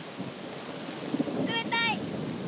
冷たい。